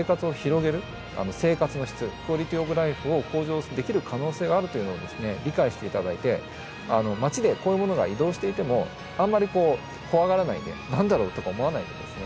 生活の質クオリティーオブライフを向上できる可能性があるというのをですね理解して頂いて街でこういうものが移動していてもあんまり怖がらないで何だろうとか思わないでですね